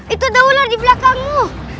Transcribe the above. itu ada ular dibelakangmu